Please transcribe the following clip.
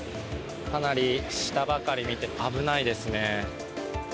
かなり下ばかり見て危ないですね。